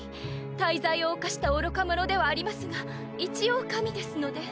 大罪を犯した愚か者ではありますが一応神ですので。